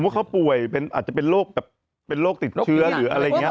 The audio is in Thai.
ว่าเขาป่วยเป็นอาจจะเป็นโรคแบบเป็นโรคติดเชื้อหรืออะไรอย่างนี้